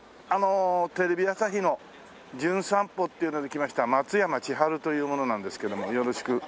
あのテレビ朝日の『じゅん散歩』っていうので来ました松山千春という者なんですけどもよろしくお願いします。